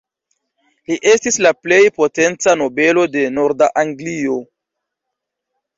Li estis la plej potenca nobelo de norda Anglio.